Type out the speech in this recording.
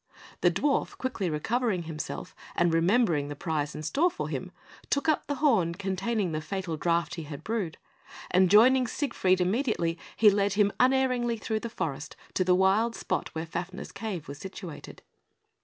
The dwarf, quickly recovering himself, and remembering the prize in store for him, took up the horn containing the fatal draught he had brewed; and joining Siegfried immediately, he led him unerringly through the forest to the wild spot where Fafner's cave was situated.